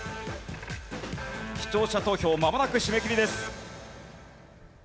視聴者投票まもなく締め切りです。